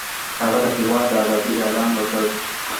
هغه د هېواد د آزادۍ اعلان وکړ.